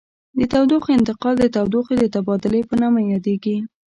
تودوخې انتقال د تودوخې د تبادل په نامه یادیږي.